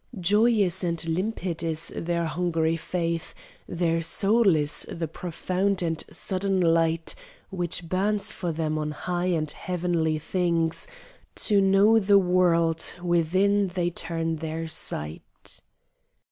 Joyous and limpid is their hungry faith; Their soul is the profound and sudden light Which burns for them on high and heavenly things; To know the world, within they turn their sight.